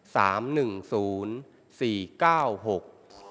หนึ่งศูนย์สี่เก้าหก